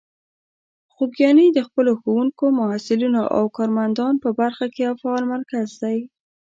خوږیاڼي د خپلو ښوونکو، محصلینو او کارمندان په برخه کې یو فعال مرکز دی.